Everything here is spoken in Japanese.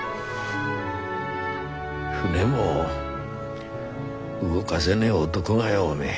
船も動がせねえ男がよおめえ。